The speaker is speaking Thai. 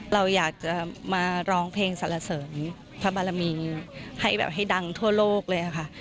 เราอยากจะมาร้องเพลงสรรเสริมพระบารมีให้แบบให้ดังทั่วโลกเลยค่ะ